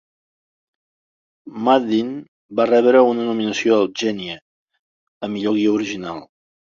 Maddin va rebre una nominació al Genie a millor guió original.